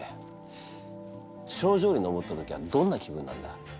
頂上に登った時はどんな気分なんだ？